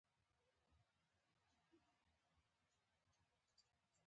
دا دواړه سیمې په فرهنګي حوزه کې شاملې وې.